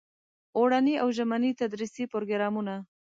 اوړني او ژمني تدریسي پروګرامونه.